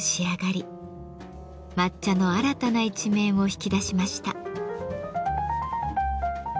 抹茶の新たな一面を引き出しました。